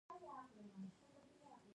په دې وخت کې د طبیعت له قوې ګټه وشوه.